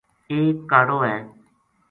ایک کاڑو ہے